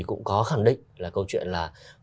cũng có khẳng định là câu chuyện là